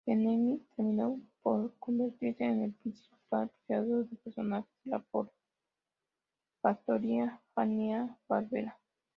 Benedict terminó por convertirse en el principal creador de personajes de la factoría Hanna-Barbera.